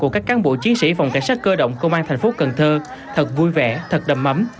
của các cán bộ chiến sĩ phòng cảnh sát cơ động công an thành phố cần thơ thật vui vẻ thật đầm ấm